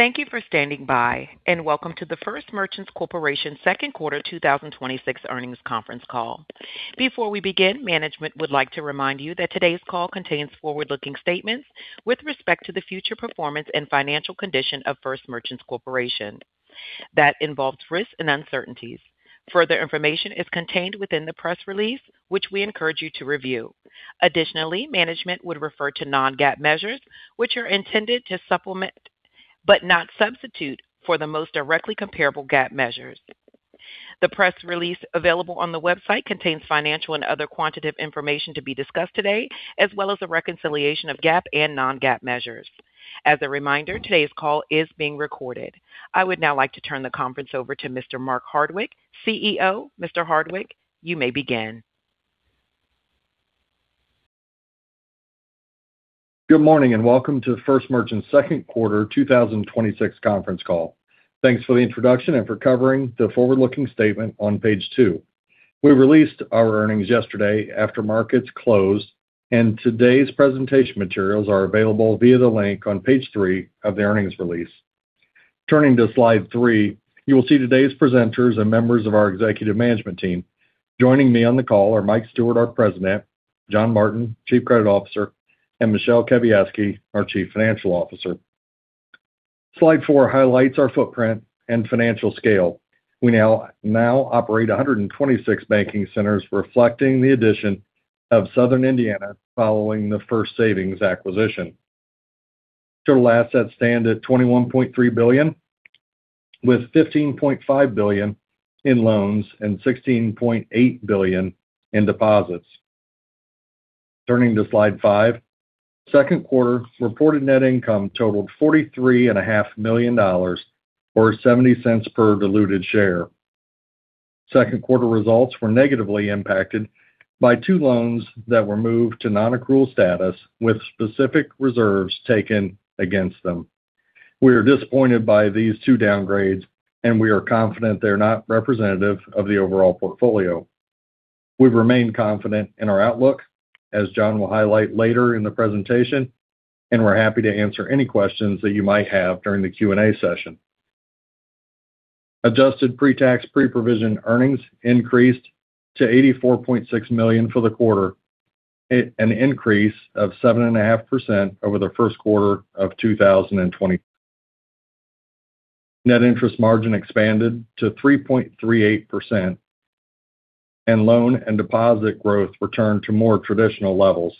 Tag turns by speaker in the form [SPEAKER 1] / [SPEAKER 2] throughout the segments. [SPEAKER 1] Thank you for standing by, and welcome to the First Merchants Corporation second quarter 2026 earnings conference call. Before we begin, management would like to remind you that today's call contains forward-looking statements with respect to the future performance and financial condition of First Merchants Corporation that involves risks and uncertainties. Further information is contained within the press release, which we encourage you to review. Additionally, management would refer to non-GAAP measures, which are intended to supplement, but not substitute, for the most directly comparable GAAP measures. The press release available on the website contains financial and other quantitative information to be discussed today, as well as a reconciliation of GAAP and non-GAAP measures. As a reminder, today's call is being recorded. I would now like to turn the conference over to Mr. Mark Hardwick, CEO. Mr. Hardwick, you may begin.
[SPEAKER 2] Good morning, and welcome to the First Merchants second quarter 2026 conference call. Thanks for the introduction and for covering the forward-looking statement on page two. We released our earnings yesterday after markets closed. Today's presentation materials are available via the link on page three of the earnings release. Turning to slide three, you will see today's presenters and members of our executive management team. Joining me on the call are Mike Stewart, our president, John Martin, chief credit officer, and Michele Kawiecki, our chief financial officer. Slide four highlights our footprint and financial scale. We now operate 126 banking centers, reflecting the addition of Southern Indiana following the First Savings acquisition. Total assets stand at $21.3 billion, with $15.5 billion in loans and $16.8 billion in deposits. Turning to slide five, second quarter reported net income totaled $43.5 million, or $0.70 per diluted share. Second quarter results were negatively impacted by two loans that were moved to non-accrual status, with specific reserves taken against them. We are disappointed by these two downgrades, and we are confident they're not representative of the overall portfolio. We've remained confident in our outlook, as John will highlight later in the presentation, and we're happy to answer any questions that you might have during the Q&A session. Adjusted pre-tax, pre-provision earnings increased to $84.6 million for the quarter, an increase of 7.5% over the first quarter of 2026. Net interest margin expanded to 3.38%, and loan and deposit growth returned to more traditional levels.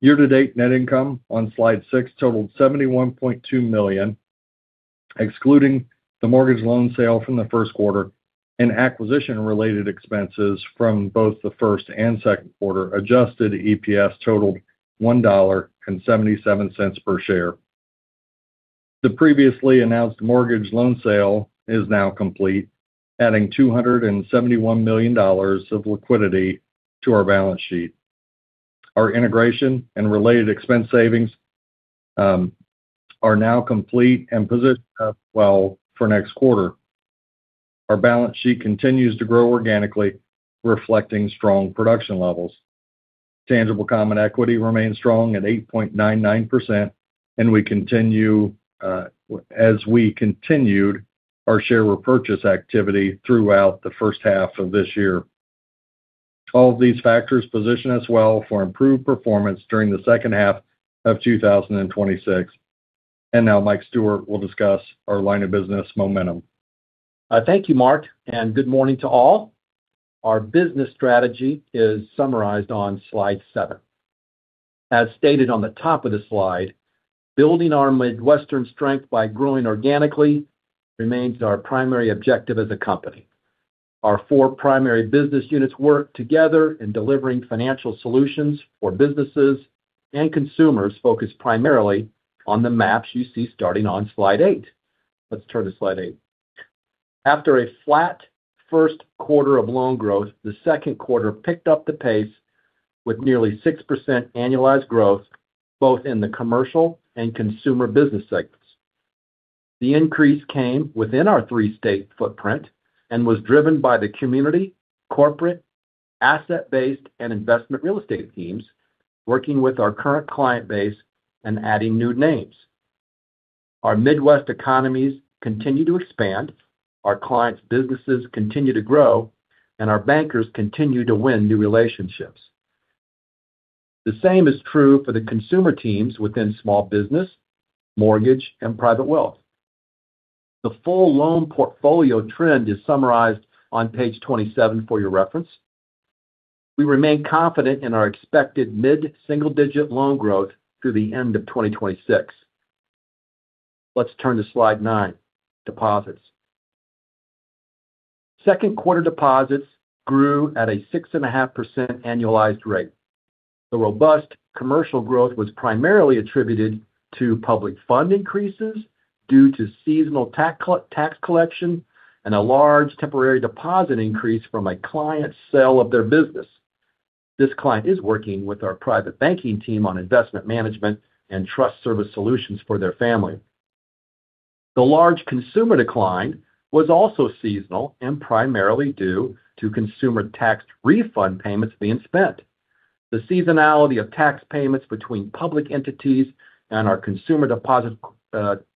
[SPEAKER 2] Year-to-date net income on slide six totaled $71.2 million, excluding the mortgage loan sale from the first quarter and acquisition-related expenses from both the first and second quarter. Adjusted EPS totaled $1.77 per share. The previously announced mortgage loan sale is now complete, adding $271 million of liquidity to our balance sheet. Our integration and related expense savings are now complete and position us well for next quarter. Our balance sheet continues to grow organically, reflecting strong production levels. Tangible common equity remains strong at 8.99%, as we continued our share repurchase activity throughout the first half of this year. All of these factors position us well for improved performance during the second half of 2026. Mike Stewart will discuss our line of business momentum.
[SPEAKER 3] Thank you, Mark, and good morning to all. Our business strategy is summarized on slide seven. As stated on the top of the slide, building our Midwestern strength by growing organically remains our primary objective as a company. Our four primary business units work together in delivering financial solutions for businesses and consumers focused primarily on the maps you see starting on slide eight. Let's turn to slide eight. After a flat first quarter of loan growth, the second quarter picked up the pace with nearly 6% annualized growth both in the commercial and consumer business sectors. The increase came within our three-state footprint and was driven by the community, corporate, asset-based, and investment real estate teams working with our current client base and adding new names. Our Midwest economies continue to expand, our clients' businesses continue to grow, and our bankers continue to win new relationships. The same is true for the consumer teams within small business, mortgage, and private wealth. The full loan portfolio trend is summarized on page 27 for your reference. We remain confident in our expected mid-single-digit loan growth through the end of 2026. Let's turn to slide nine, deposits. Second quarter deposits grew at a 6.5% annualized rate. The robust commercial growth was primarily attributed to public fund increases due to seasonal tax collection and a large temporary deposit increase from a client's sale of their business. This client is working with our private banking team on investment management and trust service solutions for their family. The large consumer decline was also seasonal and primarily due to consumer tax refund payments being spent. The seasonality of tax payments between public entities and our consumer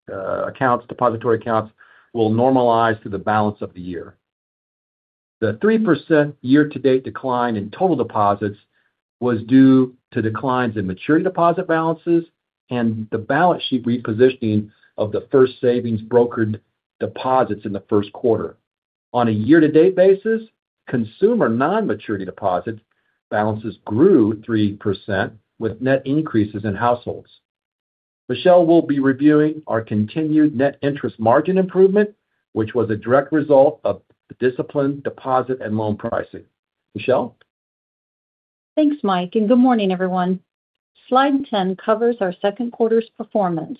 [SPEAKER 3] deposit accounts, depository accounts will normalize through the balance of the year. The 3% year-to-date decline in total deposits was due to declines in maturity deposit balances and the balance sheet repositioning of the First Savings brokered deposits in the first quarter. On a year-to-date basis, consumer non-maturity deposit balances grew 3% with net increases in households. Michele will be reviewing our continued net interest margin improvement, which was a direct result of the disciplined deposit and loan pricing. Michele?
[SPEAKER 4] Thanks, Mike, and good morning, everyone. Slide 10 covers our second quarter's performance.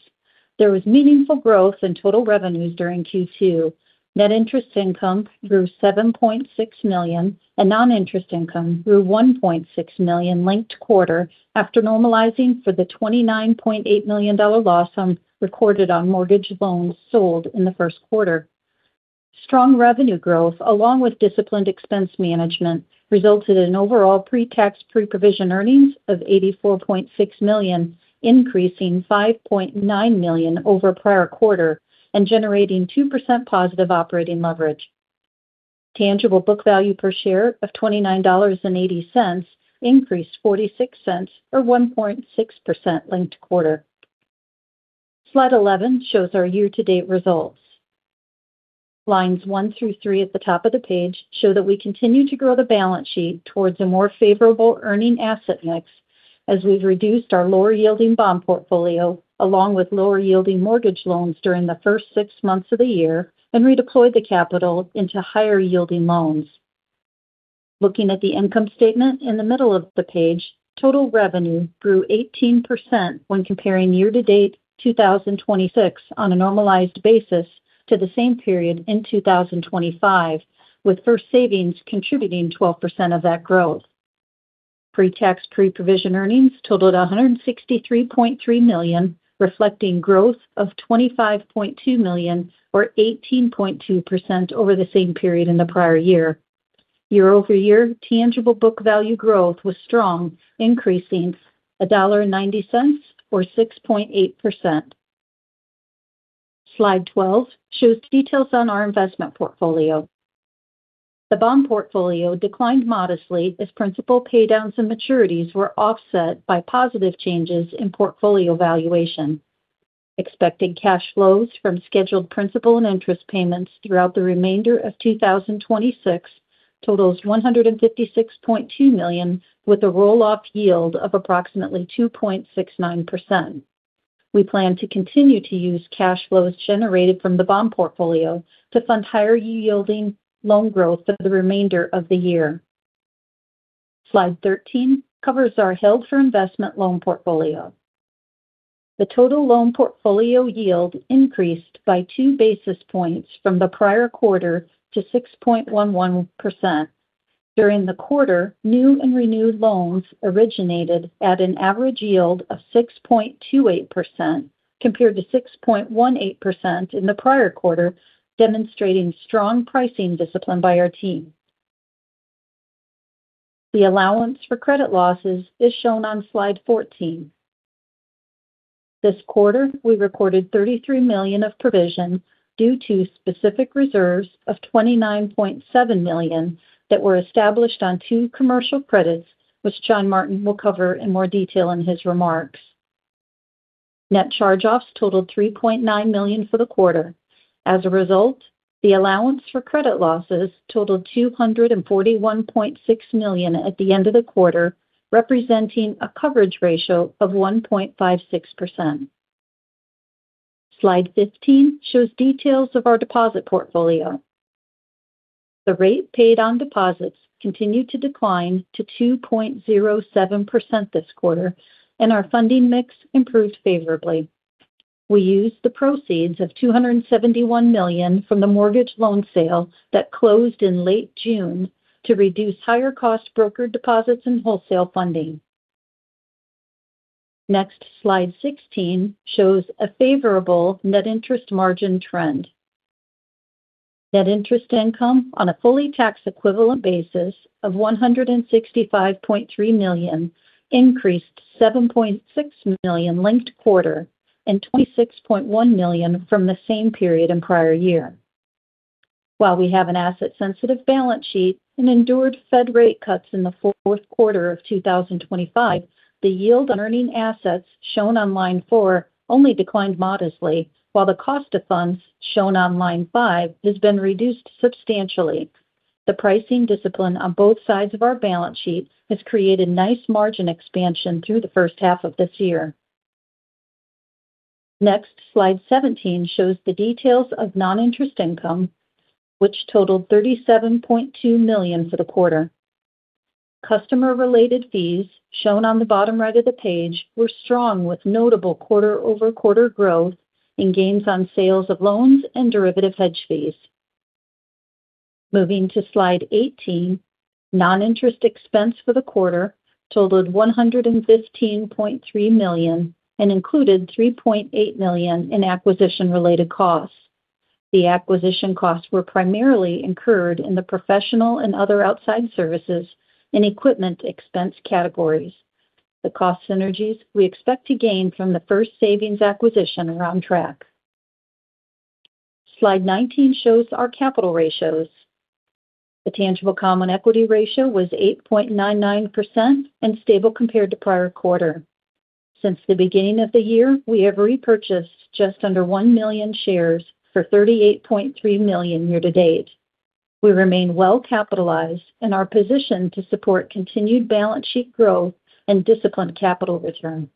[SPEAKER 4] There was meaningful growth in total revenues during Q2. Net interest income grew $7.6 million and non-interest income grew $1.6 million linked quarter after normalizing for the $29.8 million loss recorded on mortgage loans sold in the first quarter. Strong revenue growth, along with disciplined expense management, resulted in overall pre-tax, pre-provision earnings of $84.6 million, increasing $5.9 million over prior quarter and generating 2% positive operating leverage. Tangible book value per share of $29.80 increased $0.46, or 1.6%, linked quarter. Slide 11 shows our year-to-date results. Lines one through three at the top of the page show that we continue to grow the balance sheet towards a more favorable earning asset mix as we've reduced our lower yielding bond portfolio, along with lower yielding mortgage loans during the first six months of the year and redeployed the capital into higher yielding loans. Looking at the income statement in the middle of the page, total revenue grew 18% when comparing year-to-date 2026 on a normalized basis to the same period in 2025, with First Savings contributing 12% of that growth. Pre-tax, pre-provision earnings totaled $163.3 million, reflecting growth of $25.2 million or 18.2% over the same period in the prior year. Year-over-year tangible book value growth was strong, increasing $1.90 or 6.8%. Slide 12 shows details on our investment portfolio. The bond portfolio declined modestly as principal paydowns and maturities were offset by positive changes in portfolio valuation. Expected cash flows from scheduled principal and interest payments throughout the remainder of 2026 totals $156.2 million with a roll-off yield of approximately 2.69%. We plan to continue to use cash flows generated from the bond portfolio to fund higher yielding loan growth for the remainder of the year. Slide 13 covers our held for investment loan portfolio. The total loan portfolio yield increased by two basis points from the prior quarter to 6.11%. During the quarter, new and renewed loans originated at an average yield of 6.28%, compared to 6.18% in the prior quarter, demonstrating strong pricing discipline by our team. The allowance for credit losses is shown on slide 14. This quarter, we recorded $33 million of provision due to specific reserves of $29.7 million that were established on two commercial credits, which John Martin will cover in more detail in his remarks. Net charge-offs totaled $3.9 million for the quarter. As a result, the allowance for credit losses totaled $241.6 million at the end of the quarter, representing a coverage ratio of 1.56%. Slide 15 shows details of our deposit portfolio. The rate paid on deposits continued to decline to 2.07% this quarter, and our funding mix improved favorably. We used the proceeds of $271 million from the mortgage loan sale that closed in late June to reduce higher cost brokered deposits and wholesale funding. Next, slide 16 shows a favorable net interest margin trend. Net interest income on a fully tax equivalent basis of $165.3 million increased $7.6 million linked quarter and $26.1 million from the same period in prior year. While we have an asset-sensitive balance sheet and endured Fed rate cuts in the fourth quarter of 2025, the yield on earning assets shown on line four only declined modestly, while the cost of funds shown on line five has been reduced substantially. The pricing discipline on both sides of our balance sheet has created nice margin expansion through the first half of this year. Next, slide 17 shows the details of non-interest income, which totaled $37.2 million for the quarter. Customer-related fees shown on the bottom right of the page were strong with notable quarter-over-quarter growth in gains on sales of loans and derivative hedge fees. Moving to slide 18, non-interest expense for the quarter totaled $115.3 million and included $3.8 million in acquisition-related costs. The acquisition costs were primarily incurred in the professional and other outside services and equipment expense categories. The cost synergies we expect to gain from the First Savings acquisition are on track. Slide 19 shows our capital ratios. The tangible common equity ratio was 8.99% and stable compared to prior quarter. Since the beginning of the year, we have repurchased just under one million shares for $38.3 million year-to-date. We remain well capitalized and are positioned to support continued balance sheet growth and disciplined capital return.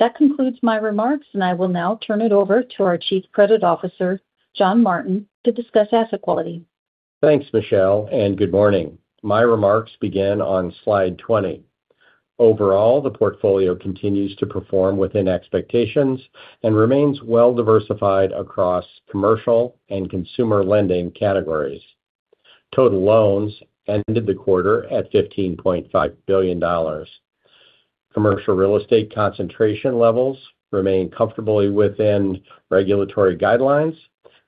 [SPEAKER 4] That concludes my remarks. I will now turn it over to our Chief Credit Officer, John Martin, to discuss asset quality.
[SPEAKER 5] Thanks, Michele, good morning. My remarks begin on slide 20. Overall, the portfolio continues to perform within expectations and remains well diversified across commercial and consumer lending categories. Total loans ended the quarter at $15.5 billion. Commercial real estate concentration levels remain comfortably within regulatory guidelines.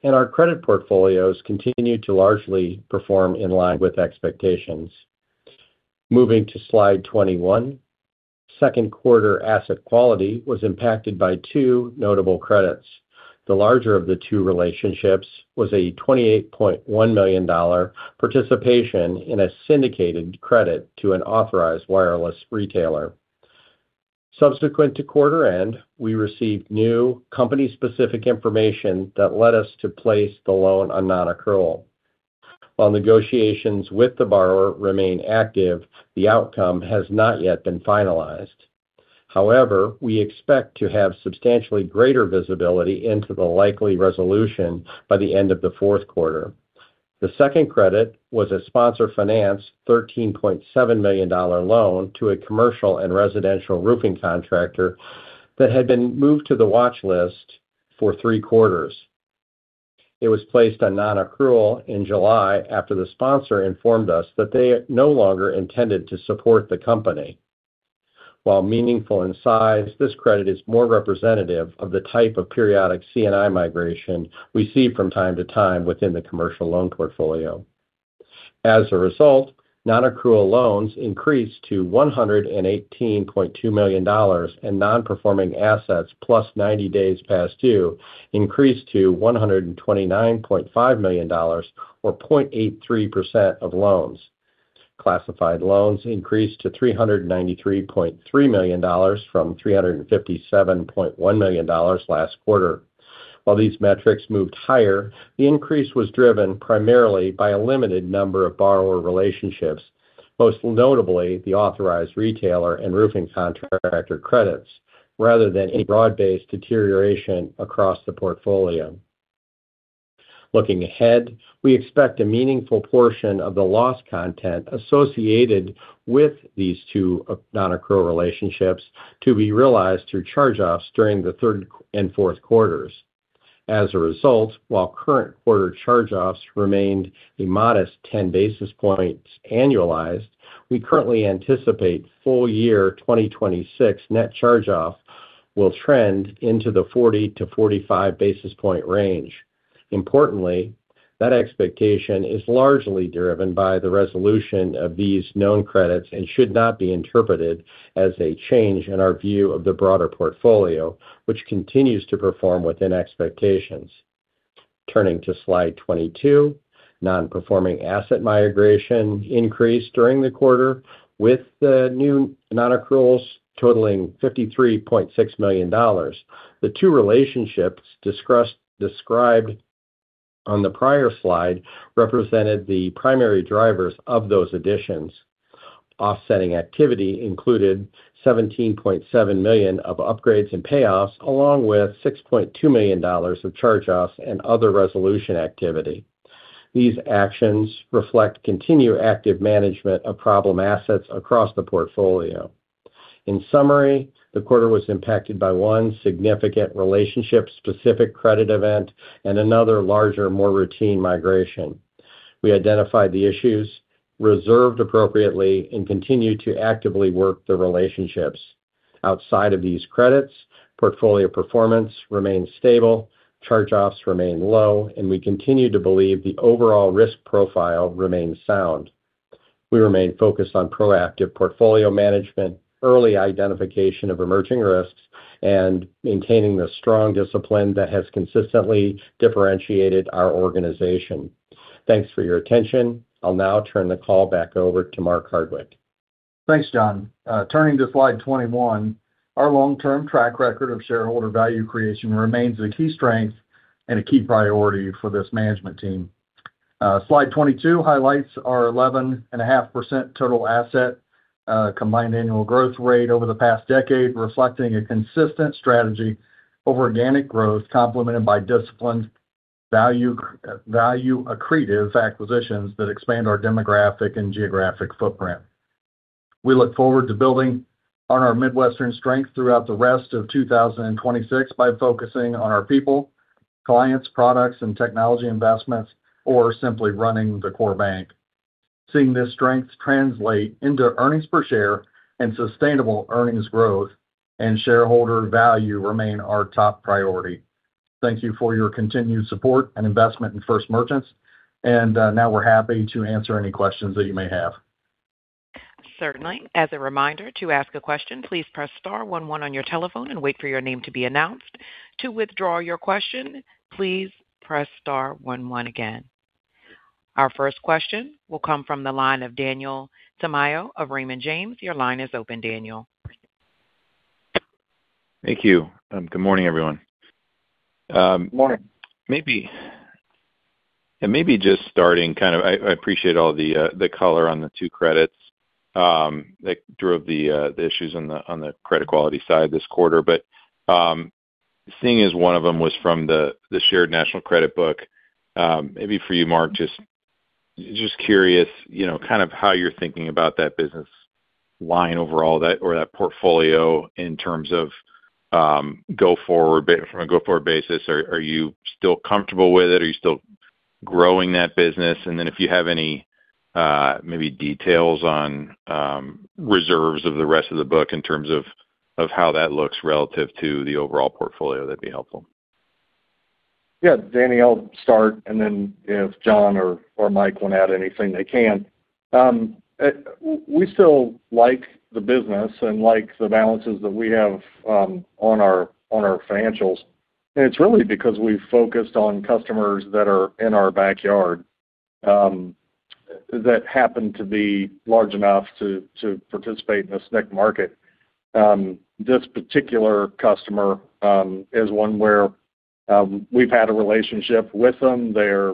[SPEAKER 5] Our credit portfolios continue to largely perform in line with expectations. Moving to slide 21, second quarter asset quality was impacted by two notable credits. The larger of the two relationships was a $28.1 million participation in a syndicated credit to an authorized wireless retailer. Subsequent to quarter end, we received new company-specific information that led us to place the loan on non-accrual. While negotiations with the borrower remain active, the outcome has not yet been finalized. However, we expect to have substantially greater visibility into the likely resolution by the end of the fourth quarter. The second credit was a sponsor-financed $13.7 million loan to a commercial and residential roofing contractor that had been moved to the watchlist for three quarters. It was placed on non-accrual in July after the sponsor informed us that they no longer intended to support the company. While meaningful in size, this credit is more representative of the type of periodic C&I migration we see from time to time within the commercial loan portfolio. As a result, non-accrual loans increased to $118.2 million. Non-performing assets +90 days past due increased to $129.5 million, or 0.83% of loans. Classified loans increased to $393.3 million from $357.1 million last quarter. While these metrics moved higher, the increase was driven primarily by a limited number of borrower relationships, most notably the authorized retailer and roofing contractor credits, rather than any broad-based deterioration across the portfolio. Looking ahead, we expect a meaningful portion of the loss content associated with these two non-accrual relationships to be realized through charge-offs during the third and fourth quarters. While current quarter charge-offs remained a modest 10 basis points annualized, we currently anticipate full year 2026 net charge-off will trend into the 40-45 basis point range. That expectation is largely driven by the resolution of these known credits and should not be interpreted as a change in our view of the broader portfolio, which continues to perform within expectations. Turning to slide 22, non-performing asset migration increased during the quarter with the new non-accruals totaling $53.6 million. The two relationships described on the prior slide represented the primary drivers of those additions. Offsetting activity included $17.7 million of upgrades and payoffs, along with $6.2 million of charge-offs and other resolution activity. These actions reflect continued active management of problem assets across the portfolio. In summary, the quarter was impacted by one significant relationship-specific credit event and another larger, more routine migration. We identified the issues, reserved appropriately, and continue to actively work the relationships. Outside of these credits, portfolio performance remains stable, charge-offs remain low, and we continue to believe the overall risk profile remains sound. We remain focused on proactive portfolio management, early identification of emerging risks, and maintaining the strong discipline that has consistently differentiated our organization. Thanks for your attention. I'll now turn the call back over to Mark Hardwick.
[SPEAKER 2] Thanks, John. Turning to slide 21, our long-term track record of shareholder value creation remains a key strength and a key priority for this management team. Slide 22 highlights our 11.5% total asset combined annual growth rate over the past decade, reflecting a consistent strategy of organic growth complemented by disciplined value-accretive acquisitions that expand our demographic and geographic footprint. We look forward to building on our Midwestern strength throughout the rest of 2026 by focusing on our people, clients, products, and technology investments, or simply running the core bank. Seeing this strength translate into earnings per share and sustainable earnings growth and shareholder value remain our top priority. Thank you for your continued support and investment in First Merchants. Now we're happy to answer any questions that you may have.
[SPEAKER 1] Certainly. As a reminder, to ask a question, please press star one one on your telephone and wait for your name to be announced. To withdraw your question, please press star one one again. Our first question will come from the line of Daniel Tamayo of Raymond James. Your line is open, Daniel.
[SPEAKER 6] Thank you. Good morning, everyone.
[SPEAKER 2] Morning.
[SPEAKER 6] Maybe just starting, I appreciate all the color on the two credits that drove the issues on the credit quality side this quarter. Seeing as one of them was from the shared national credit book, maybe for you, Mark, just curious, how you're thinking about that business line overall or that portfolio in terms of from a go-forward basis. Are you still comfortable with it? Are you still growing that business? Then if you have any maybe details on reserves of the rest of the book in terms of how that looks relative to the overall portfolio, that'd be helpful.
[SPEAKER 2] Yeah. Danny, I'll start, then if John or Mike want to add anything, they can. We still like the business and like the balances that we have on our financials. It's really because we've focused on customers that are in our backyard that happen to be large enough to participate in the SNC market. This particular customer is one where we've had a relationship with them. They're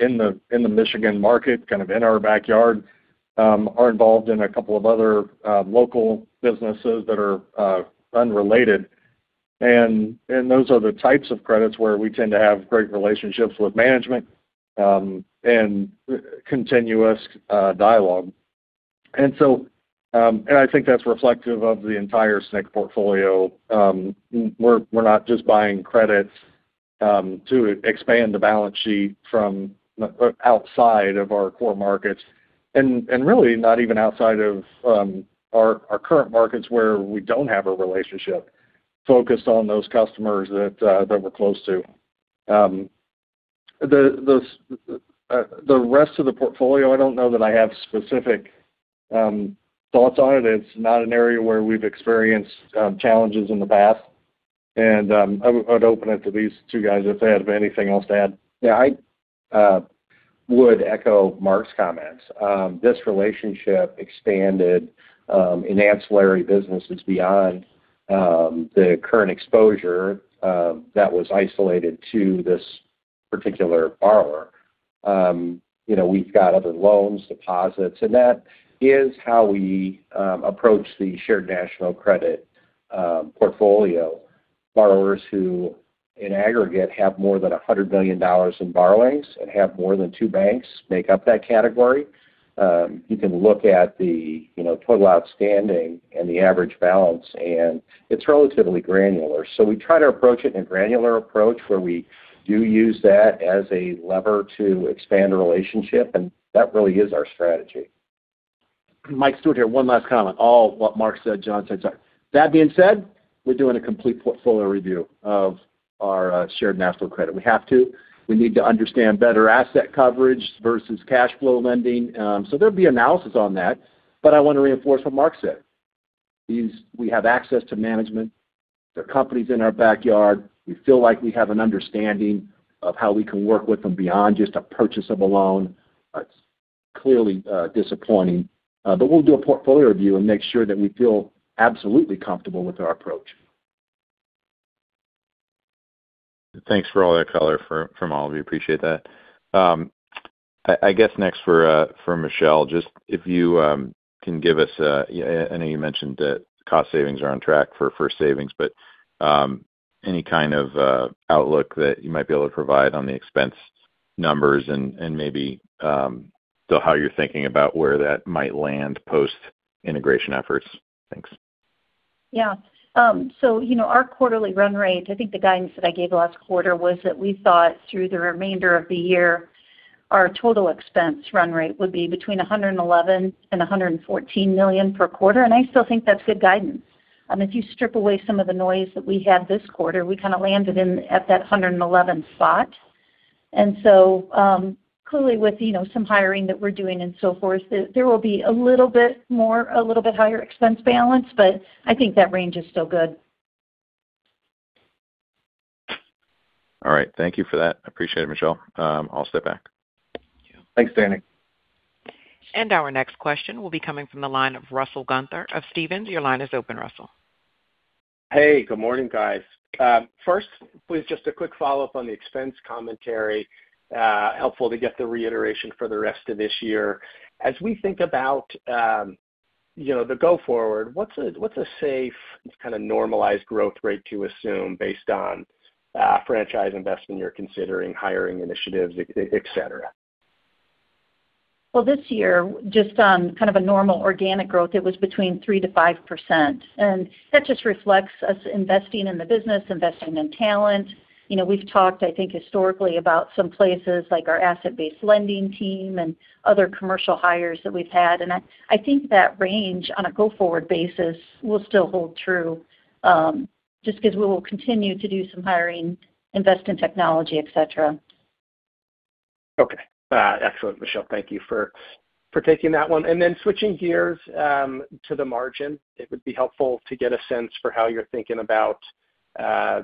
[SPEAKER 2] in the Michigan market, in our backyard, and are involved in a couple of other local businesses that are unrelated. Those are the types of credits where we tend to have great relationships with management and continuous dialogue. I think that's reflective of the entire SNC portfolio. We're not just buying credits to expand the balance sheet from outside of our core markets, and really not even outside of our current markets where we don't have a relationship focused on those customers that we're close to. The rest of the portfolio, I don't know that I have specific thoughts on it. It's not an area where we've experienced challenges in the past. I would open it to these two guys if they have anything else to add.
[SPEAKER 5] Yeah, I would echo Mark's comments. This relationship expanded in ancillary businesses beyond the current exposure that was isolated to this particular borrower. We've got other loans, deposits. That is how we approach the shared national credit portfolio. Borrowers who in aggregate have more than $100 million in borrowings and have more than two banks make up that category. You can look at the total outstanding and the average balance, and it's relatively granular. We try to approach it in a granular approach where we do use that as a lever to expand the relationship, and that really is our strategy.
[SPEAKER 3] Mike Stewart here. One last comment. All what Mark said, John said. That being said, we're doing a complete portfolio review of our shared national credit. We have to. We need to understand better asset coverage versus cash flow lending. There'll be analysis on that. I want to reinforce what Mark said. We have access to management. They're companies in our backyard. We feel like we have an understanding of how we can work with them beyond just a purchase of a loan. It's clearly disappointing. We'll do a portfolio review and make sure that we feel absolutely comfortable with our approach.
[SPEAKER 6] Thanks for all that color from all of you. Appreciate that. I guess next for Michele, just if you can give us, I know you mentioned that cost savings are on track for savings, any kind of outlook that you might be able to provide on the expense numbers and maybe how you're thinking about where that might land post-integration efforts. Thanks.
[SPEAKER 4] Yeah. Our quarterly run rate, I think the guidance that I gave last quarter was that we thought through the remainder of the year, our total expense run rate would be between $111 million and $114 million per quarter. I still think that's good guidance. If you strip away some of the noise that we had this quarter, we kind of landed at that 111 spot. Clearly with some hiring that we're doing and so forth, there will be a little bit more, a little bit higher expense balance, I think that range is still good.
[SPEAKER 6] All right. Thank you for that. Appreciate it, Michele. I'll step back.
[SPEAKER 3] Thanks, Danny.
[SPEAKER 1] Our next question will be coming from the line of Russell Gunther of Stephens. Your line is open, Russell.
[SPEAKER 7] Hey. Good morning, guys. First, please, just a quick follow-up on the expense commentary. Helpful to get the reiteration for the rest of this year. As we think about the go forward, what's a safe kind of normalized growth rate to assume based on franchise investment you're considering, hiring initiatives, et cetera?
[SPEAKER 4] Well, this year, just on kind of a normal organic growth, it was between 3% to 5%. That just reflects us investing in the business, investing in talent. We've talked, I think, historically about some places like our asset-based lending team and other commercial hires that we've had. I think that range on a go-forward basis will still hold true, just because we will continue to do some hiring, invest in technology, et cetera.
[SPEAKER 7] Okay. Excellent, Michele. Thank you for taking that one. Switching gears to the margin, it would be helpful to get a sense for how you're thinking about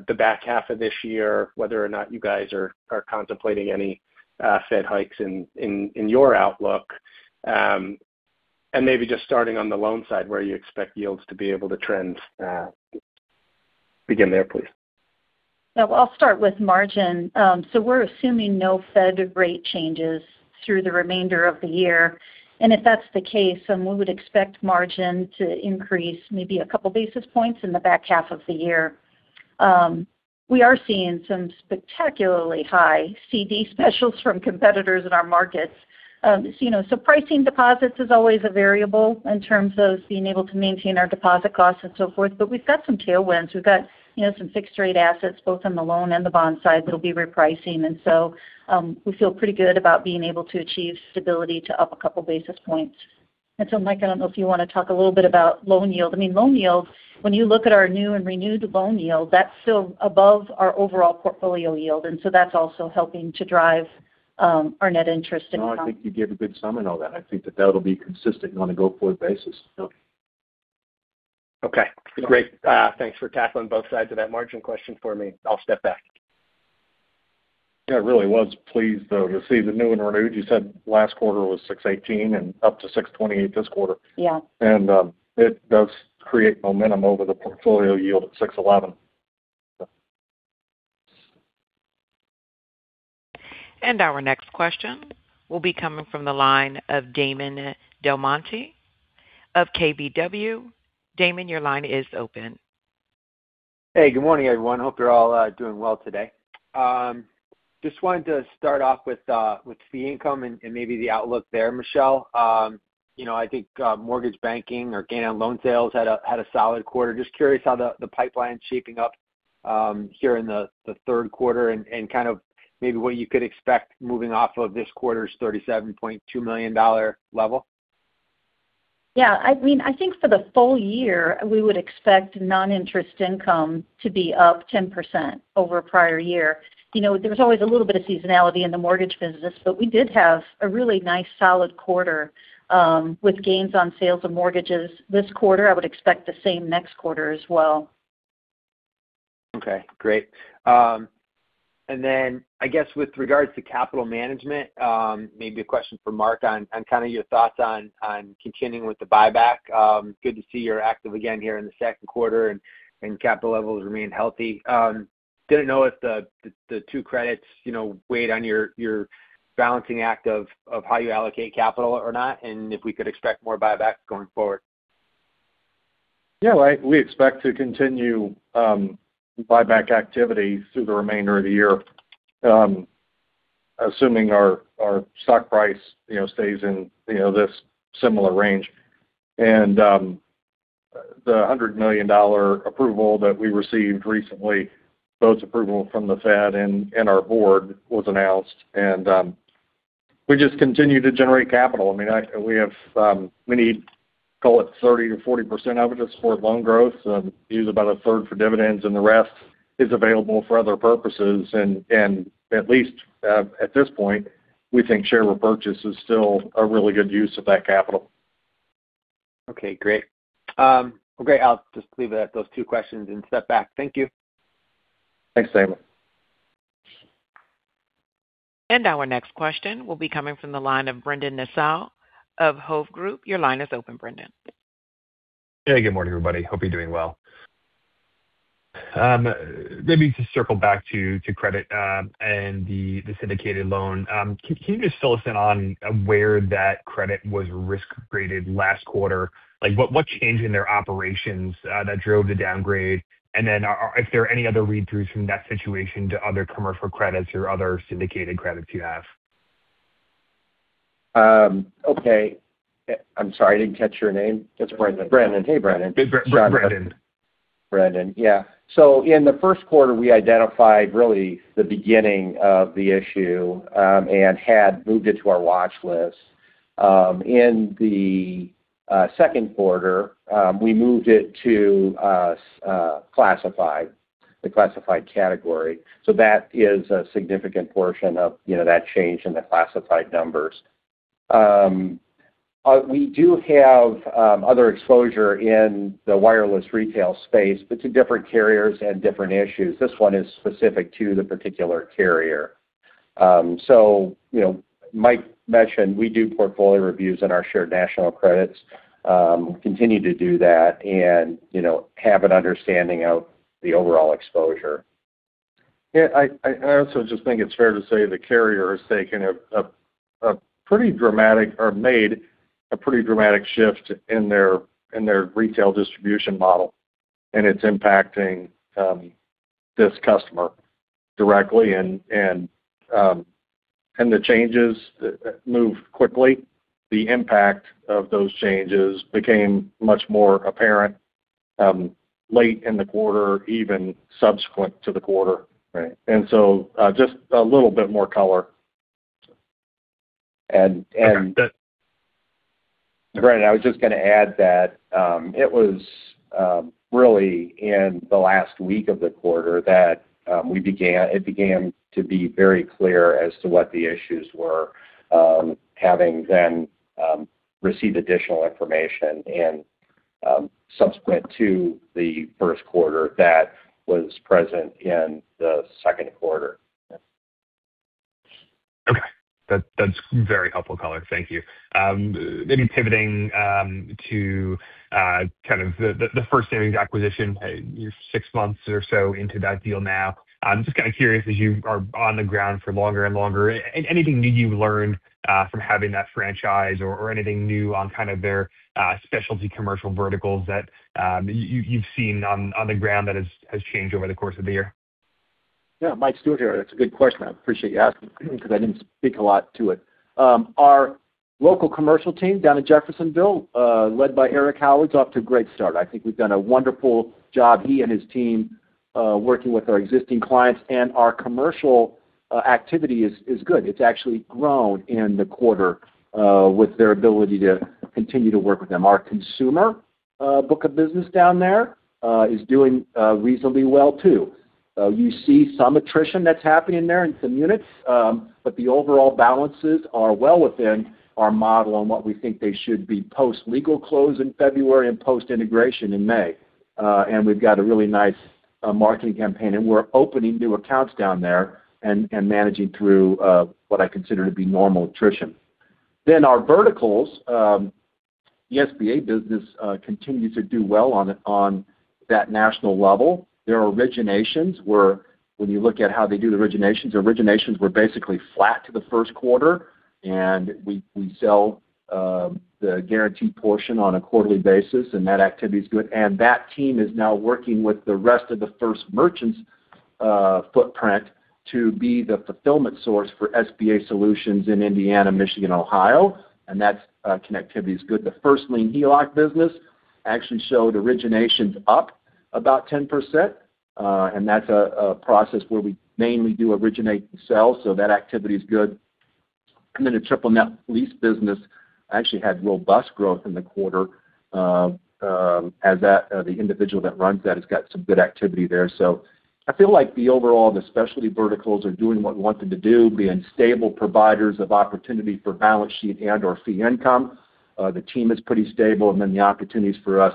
[SPEAKER 7] the back half of this year, whether or not you guys are contemplating any Fed hikes in your outlook. Maybe just starting on the loan side, where you expect yields to be able to trend. Begin there, please.
[SPEAKER 4] Yeah. Well, I'll start with margin. We're assuming no Fed rate changes through the remainder of the year. If that's the case, then we would expect margin to increase maybe a couple basis points in the back half of the year. We are seeing some spectacularly high CD specials from competitors in our markets. Pricing deposits is always a variable in terms of being able to maintain our deposit costs and so forth, but we've got some tailwinds. We've got some fixed-rate assets both on the loan and the bond side that'll be repricing. We feel pretty good about being able to achieve stability to up a couple basis points. Mark, I don't know if you want to talk a little bit about loan yield. I mean, loan yield, when you look at our new and renewed loan yield, that's still above our overall portfolio yield, and so that's also helping to drive our net interest income.
[SPEAKER 2] No, I think you gave a good summary on all that. I think that that'll be consistent on a go-forward basis. Yeah.
[SPEAKER 7] Okay, great. Thanks for tackling both sides of that margin question for me. I'll step back.
[SPEAKER 2] Yeah, I really was pleased, though, to see the new and renewed. You said last quarter was 618 and up to 628 this quarter.
[SPEAKER 4] Yeah.
[SPEAKER 2] It does create momentum over the portfolio yield at 611. Yeah.
[SPEAKER 1] Our next question will be coming from the line of Damon DelMonte of KBW. Damon, your line is open.
[SPEAKER 8] Hey, good morning, everyone. Hope you're all doing well today. Just wanted to start off with fee income and maybe the outlook there, Michele. I think mortgage banking or gain on loan sales had a solid quarter. Curious how the pipeline's shaping up here in the third quarter and kind of maybe what you could expect moving off of this quarter's $37.2 million level.
[SPEAKER 4] I think for the full year, we would expect non-interest income to be up 10% over prior year. There's always a little bit of seasonality in the mortgage business, but we did have a really nice solid quarter with gains on sales of mortgages this quarter. I would expect the same next quarter as well.
[SPEAKER 8] Okay, great. Then I guess with regards to capital management, maybe a question for Mark on kind of your thoughts on continuing with the buyback. Good to see you're active again here in the second quarter and capital levels remain healthy. Didn't know if the two credits weighed on your balancing act of how you allocate capital or not, and if we could expect more buybacks going forward.
[SPEAKER 2] Yeah. We expect to continue buyback activity through the remainder of the year, assuming our stock price stays in this similar range. The $100 million approval that we received recently, both approval from the Fed and our board was announced. We just continue to generate capital. We need, call it 30%-40% of it is for loan growth, use about a third for dividends, and the rest is available for other purposes. At least at this point, we think share repurchase is still a really good use of that capital.
[SPEAKER 8] Okay, great. I'll just leave it at those two questions and step back. Thank you.
[SPEAKER 2] Thanks, Damon.
[SPEAKER 1] Our next question will be coming from the line of Brendan Nosal of Hovde Group. Your line is open, Brendan.
[SPEAKER 9] Hey, good morning, everybody. Hope you're doing well. Maybe to circle back to credit and the syndicated loan. Can you just fill us in on where that credit was risk-graded last quarter? What changed in their operations that drove the downgrade? If there are any other read-throughs from that situation to other commercial credits or other syndicated credits you have?
[SPEAKER 5] Okay. I'm sorry, I didn't catch your name.
[SPEAKER 9] It's Brendan.
[SPEAKER 5] Brendan. Hey, Brendan.
[SPEAKER 9] Brendan.
[SPEAKER 5] Brendan. Yeah. In the first quarter, we identified really the beginning of the issue and had moved it to our watch list. In the second quarter, we moved it to the classified category. That is a significant portion of that change in the classified numbers. We do have other exposure in the wireless retail space, but to different carriers and different issues. This one is specific to the particular carrier. Mike mentioned we do portfolio reviews on our shared national credits, continue to do that, and have an understanding of the overall exposure.
[SPEAKER 2] Yeah. I also just think it's fair to say the carrier has taken a pretty dramatic, or made a pretty dramatic shift in their retail distribution model, and it's impacting this customer directly, and the changes moved quickly. The impact of those changes became much more apparent late in the quarter, even subsequent to the quarter.
[SPEAKER 9] Right.
[SPEAKER 3] Just a little bit more color.
[SPEAKER 9] Okay.
[SPEAKER 5] Brendan, I was just going to add that it was really in the last week of the quarter that it began to be very clear as to what the issues were, having then received additional information and subsequent to the first quarter that was present in the second quarter.
[SPEAKER 9] Okay. That's very helpful color. Thank you. Maybe pivoting to the First Savings acquisition. You're six months or so into that deal now. I'm just kind of curious, as you are on the ground for longer and longer, anything new you've learned from having that franchise or anything new on kind of their specialty commercial verticals that you've seen on the ground that has changed over the course of the year?
[SPEAKER 3] Yeah. Mike Stewart here. That's a good question. I appreciate you asking because I didn't speak a lot to it. Our local commercial team down in Jeffersonville, led by Eric Howard, is off to a great start. I think we've done a wonderful job, he and his team, working with our existing clients. Our commercial activity is good. It's actually grown in the quarter with their ability to continue to work with them. Our consumer book of business down there is doing reasonably well, too. You see some attrition that's happening there in some units. The overall balances are well within our model and what we think they should be post-legal close in February and post-integration in May. We got a really nice marketing campaign and we are opening to accounts down there and managing through what I consider to be normal attrition. Our verticals. The SBA business continues to do well on that national level. Their originations were basically flat to the first quarter. We sell the guaranteed portion on a quarterly basis. That activity is good. That team is now working with the rest of the First Merchants footprint to be the fulfillment source for SBA solutions in Indiana, Michigan, Ohio. That connectivity is good. The first lien HELOC business actually showed originations up about 10%. That's a process where we mainly do originate and sell. That activity is good. The triple net lease business actually had robust growth in the quarter, as the individual that runs that has got some good activity there. I feel like the overall, the specialty verticals are doing what we want them to do, being stable providers of opportunity for balance sheet and/or fee income. The team is pretty stable, and the opportunities for us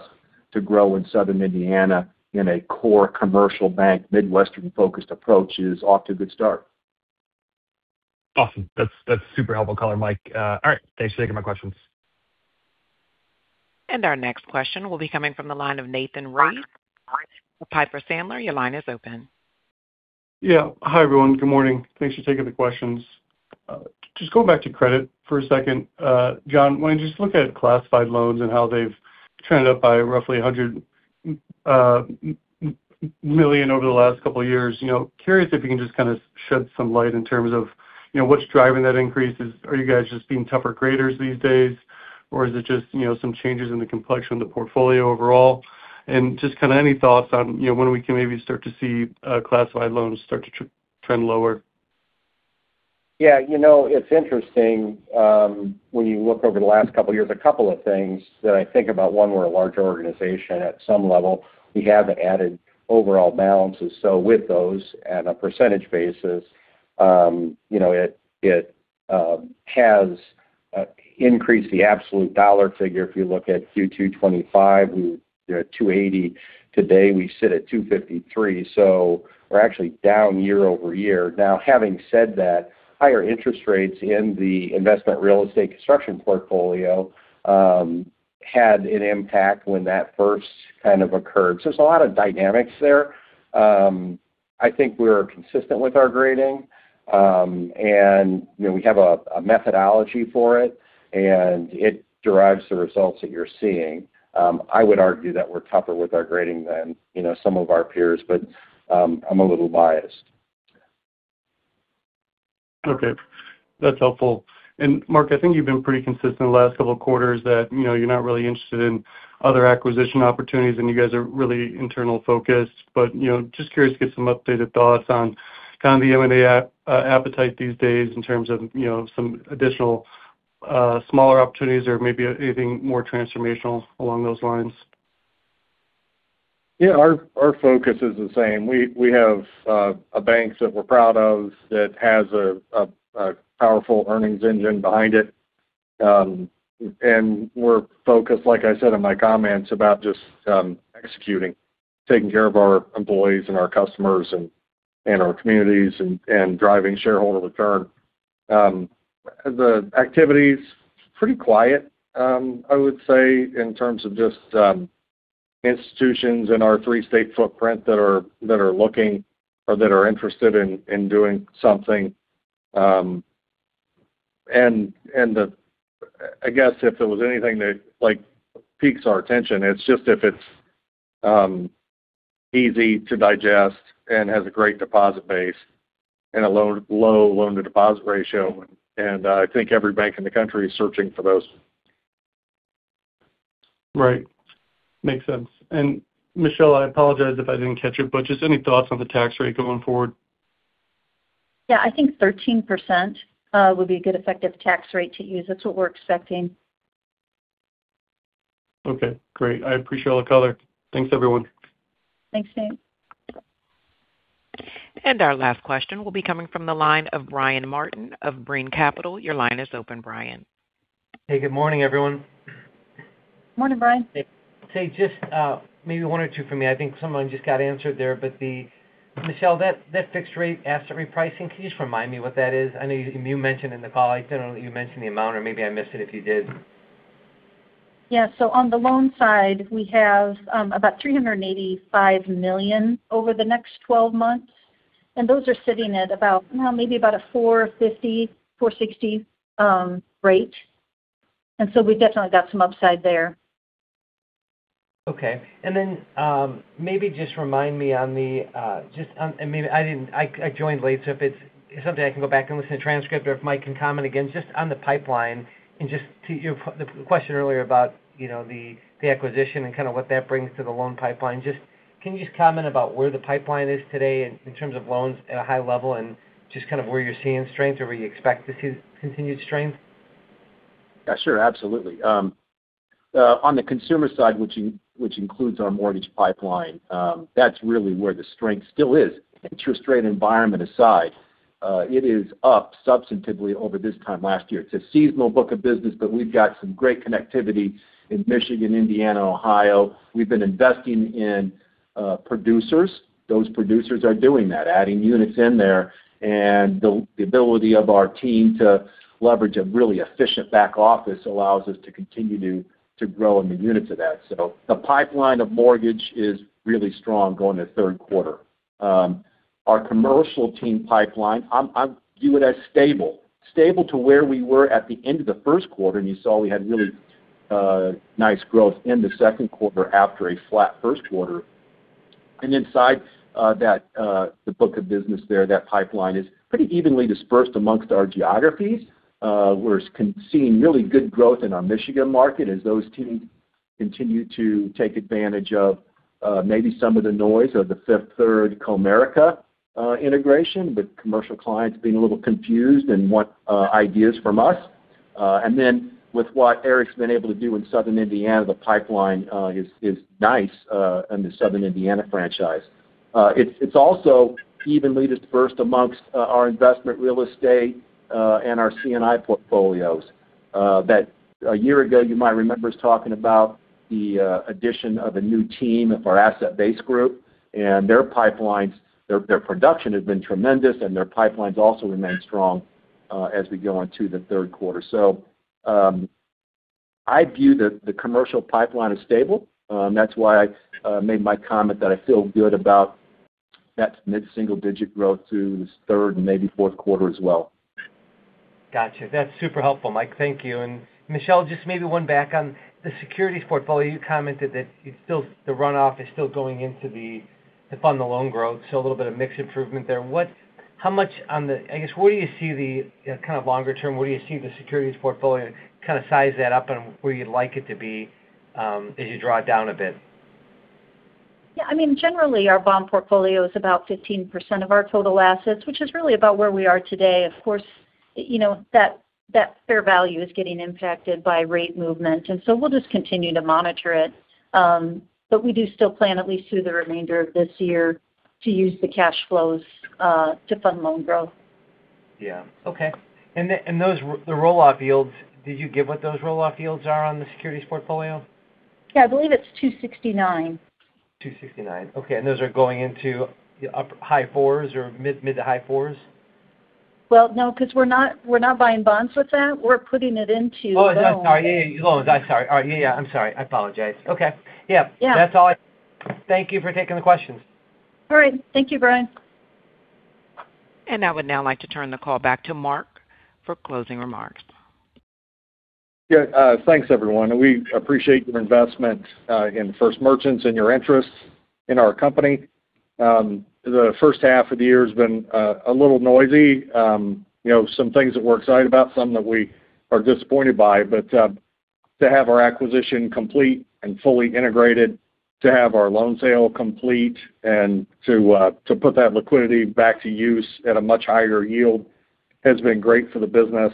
[SPEAKER 3] to grow in Southern Indiana in a core commercial bank, Midwestern-focused approach is off to a good start.
[SPEAKER 9] Awesome. That's super helpful color, Mike. All right. Thanks for taking my questions.
[SPEAKER 1] Our next question will be coming from the line of Nathan Race from Piper Sandler. Your line is open.
[SPEAKER 10] Hi, everyone. Good morning. Thanks for taking the questions. Just going back to credit for a second. John, when you just look at classified loans and how they've trended up by roughly $100 million over the last couple of years, curious if you can just kind of shed some light in terms of what's driving that increase. Are you guys just being tougher graders these days, or is it just some changes in the complexion of the portfolio overall? Just kind of any thoughts on when we can maybe start to see classified loans start to trend lower?
[SPEAKER 5] Yeah. It's interesting when you look over the last couple of years, a couple of things that I think about. One, we're a larger organization at some level. We have added overall balances. With those at a percentage basis it has increased the absolute dollar figure. If you look at Q2 2025, we were at $280. Today, we sit at $253. We're actually down year-over-year. Now, having said that, higher interest rates in the investment real estate construction portfolio had an impact when that first kind of occurred. There's a lot of dynamics there. I think we're consistent with our grading. We have a methodology for it, and it derives the results that you're seeing. I would argue that we're tougher with our grading than some of our peers, but I'm a little biased.
[SPEAKER 10] Okay, that's helpful. Mark, I think you've been pretty consistent the last couple of quarters that you're not really interested in other acquisition opportunities and you guys are really internal-focused. Just curious to get some updated thoughts on kind of the M&A appetite these days in terms of some additional smaller opportunities or maybe anything more transformational along those lines.
[SPEAKER 2] Yeah, our focus is the same. We have a bank that we're proud of that has a powerful earnings engine behind it. We're focused, like I said in my comments, about just executing, taking care of our employees and our customers and our communities and driving shareholder return. The activity's pretty quiet, I would say, in terms of just institutions in our three-state footprint that are looking or that are interested in doing something. I guess if there was anything that piques our attention, it's just if it's easy to digest and has a great deposit base and a low loan-to-deposit ratio. I think every bank in the country is searching for those.
[SPEAKER 10] Right. Makes sense. Michele, I apologize if I didn't catch it, but just any thoughts on the tax rate going forward?
[SPEAKER 4] Yeah, I think 13% would be a good effective tax rate to use. That's what we're expecting.
[SPEAKER 10] Okay, great. I appreciate all the color. Thanks, everyone.
[SPEAKER 4] Thanks, Nate.
[SPEAKER 1] Our last question will be coming from the line of Brian Martin of Brean Capital. Your line is open, Brian.
[SPEAKER 11] Good morning, everyone.
[SPEAKER 4] Morning, Brian.
[SPEAKER 11] Hey. Just maybe one or two from me. I think some of them just got answered there. Michele, that fixed rate asset repricing, can you just remind me what that is? I know you mentioned in the call. I don't know that you mentioned the amount or maybe I missed it if you did.
[SPEAKER 4] Yeah. On the loan side, we have about $385 million over the next 12 months, and those are sitting at about, well, maybe about a 4.50%-4.60% rate. We've definitely got some upside there.
[SPEAKER 11] Okay. Then, maybe just remind me on the-- I joined late, so if it's something I can go back and listen to transcript or if Mike can comment again, just on the pipeline and just to your question earlier about the acquisition and kind of what that brings to the loan pipeline. Can you just comment about where the pipeline is today in terms of loans at a high level and just kind of where you're seeing strength or where you expect to see continued strength?
[SPEAKER 3] Yeah, sure. Absolutely. On the consumer side, which includes our mortgage pipeline, that's really where the strength still is. Interest rate environment aside, it is up substantively over this time last year. It's a seasonal book of business, but we've got some great connectivity in Michigan, Indiana, Ohio. We've been investing in producers. Those producers are doing that, adding units in there. The ability of our team to leverage a really efficient back office allows us to continue to grow in the units of that. The pipeline of mortgage is really strong going to third quarter. Our commercial team pipeline, I view it as stable. Stable to where we were at the end of the first quarter, and you saw we had really nice growth in the second quarter after a flat first quarter. Inside the book of business there, that pipeline is pretty evenly dispersed amongst our geographies. We're seeing really good growth in our Michigan market as those teams continue to take advantage of maybe some of the noise of the Fifth Third Comerica integration, with commercial clients being a little confused and want ideas from us. Then with what Eric's been able to do in Southern Indiana, the pipeline is nice in the Southern Indiana franchise. It's also evenly dispersed amongst our investment real estate, and our C&I portfolios. That a year ago, you might remember us talking about the addition of a new team of our asset base group and their pipelines, their production has been tremendous and their pipelines also remain strong, as we go into the third quarter. I view that the commercial pipeline is stable. That's why I made my comment that I feel good about that mid-single digit growth to this third and maybe fourth quarter as well.
[SPEAKER 11] Got you. That's super helpful, Mike. Thank you. Michele, just maybe one back on the securities portfolio. You commented that the runoff is still going into the fund, the loan growth. A little bit of mix improvement there. I guess, where do you see the kind of longer term, where do you see the securities portfolio kind of size that up and where you'd like it to be, as you draw it down a bit?
[SPEAKER 4] Yeah. Generally, our bond portfolio is about 15% of our total assets, which is really about where we are today. Of course, that fair value is getting impacted by rate movement, we'll just continue to monitor it. We do still plan at least through the remainder of this year to use the cash flows, to fund loan growth.
[SPEAKER 11] Yeah. Okay. The roll-off yields, did you give what those roll-off yields are on the securities portfolio?
[SPEAKER 4] Yeah, I believe it's 269.
[SPEAKER 11] 269. Okay. Those are going into the high fours or mid to high fours?
[SPEAKER 4] Well, no, because we're not buying bonds with that. We're putting it into loans.
[SPEAKER 11] Oh, loans. Sorry. Yeah. I'm sorry. I apologize. Okay. Yeah.
[SPEAKER 4] Yeah.
[SPEAKER 11] That's all. Thank you for taking the questions.
[SPEAKER 4] All right. Thank you, Brian.
[SPEAKER 1] I would now like to turn the call back to Mark for closing remarks.
[SPEAKER 2] Yeah. Thanks, everyone. We appreciate your investment in First Merchants and your interest in our company. The first half of the year has been a little noisy. Some things that we're excited about, some that we are disappointed by. To have our acquisition complete and fully integrated, to have our loan sale complete, and to put that liquidity back to use at a much higher yield has been great for the business.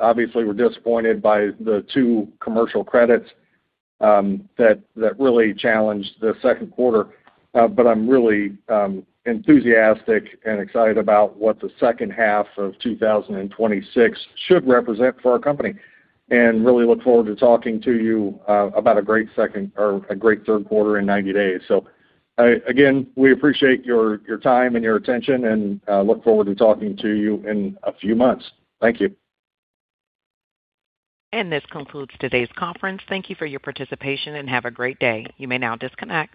[SPEAKER 2] Obviously, we're disappointed by the two commercial credits that really challenged the second quarter. I'm really enthusiastic and excited about what the second half of 2026 should represent for our company and really look forward to talking to you about a great third quarter in 90 days. Again, we appreciate your time and your attention and look forward to talking to you in a few months. Thank you.
[SPEAKER 1] This concludes today's conference. Thank you for your participation and have a great day. You may now disconnect.